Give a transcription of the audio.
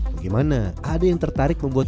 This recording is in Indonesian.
bagaimana ada yang tertarik membuat